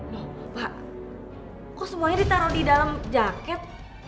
loh pak kok semuanya ditaruh di dalam jaket